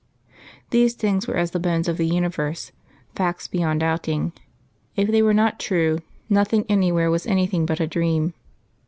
These things were as the bones of the Universe facts beyond doubting if they were not true, nothing anywhere was anything but a dream.